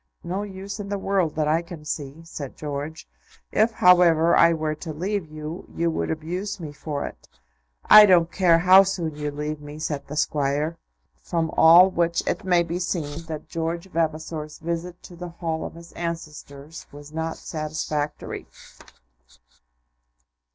"No use in the world, that I can see," said George; "if, however, I were to leave you, you would abuse me for it." "I don't care how soon you leave me," said the Squire. From all which it may be seen that George Vavasor's visit to the hall of his ancestors was not satisfactory.